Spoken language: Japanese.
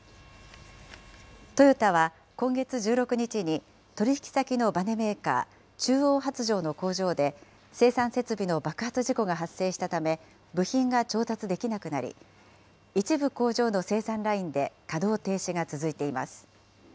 トヨタは今月１６日に、取り引き先のばねメーカー、中央発條の工場で、生産設備の爆発事故が発生したため、部品が調達できなくなり、一部工場の生産ラインで稼働停止が続いています。